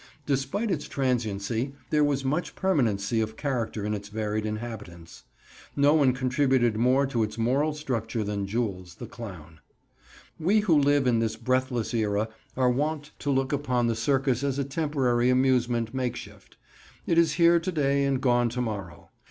Despite its transiency, there was much permanency of character in its varied inhabitants. No one contributed more to its moral structure than Jules, the clown. We who live in this breathless era are wont to look upon the circus as a temporary amusement makeshift. It is here to day and gone to morrow.